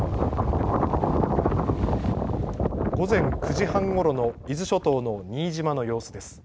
午前９時半ごろの伊豆諸島の新島の様子です。